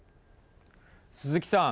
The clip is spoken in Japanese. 鈴木さん。